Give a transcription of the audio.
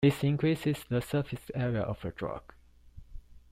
This increases the surface area of the drug.